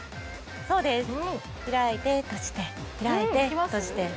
そうです開いて閉じて開いて閉じて。